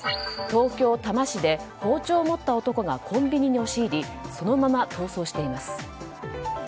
東京・多摩市で包丁を持った男がコンビニに押し入りそのまま逃走しています。